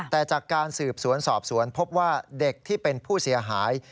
แต่จากการสืบสวนสอบสวนพบว่าเด็กที่เป็นผู้เสียหาย